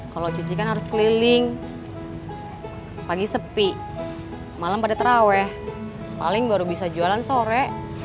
kalau cici kan harus keliling pagi sepi malam pada terawih paling baru bisa jualan sore